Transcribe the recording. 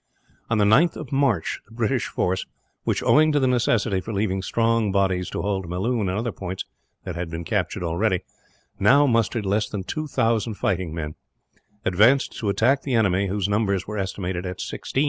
On the 9th of March the British force which, owing to the necessity for leaving strong bodies to hold Melloon and other points that had been captured, now mustered less than 2,000 fighting men, advanced to attack the enemy, whose numbers were estimated at 16,000.